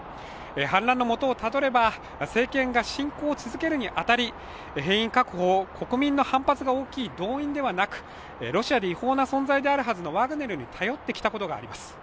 反乱の元をたどれば政権が侵攻を続けるにあたり兵員確保を国民の反発の大きい動員ではなく、ロシアで違法な存在であるはずのワグネルに頼ってきたことがあります。